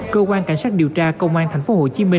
cơ quan cảnh sát điều tra công an tp hcm